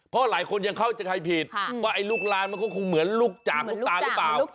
เพราะหลายคนยังเข้าใจใครผิดว่าไอ้ลูกลานมันก็คงเหมือนลูกจากลูกตาหรือเปล่า